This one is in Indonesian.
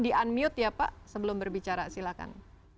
di unmute ya pak sebelum berbicara silahkan